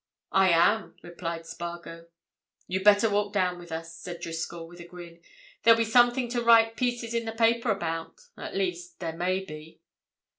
"I am," replied Spargo. "You'd better walk down with us," said Driscoll, with a grin. "There'll be something to write pieces in the paper about. At least, there may be."